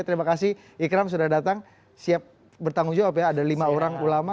terima kasih ikram sudah datang siap bertanggung jawab ya ada lima orang ulama